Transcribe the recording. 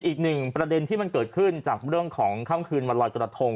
อีกหนึ่งประเด็นที่มันเกิดขึ้นจากเรื่องของค่ำคืนวันรอยกระทง